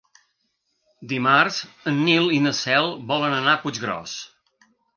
Dimarts en Nil i na Cel volen anar a Puiggròs.